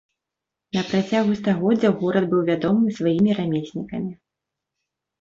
На працягу стагоддзяў горад быў вядомы сваімі рамеснікамі.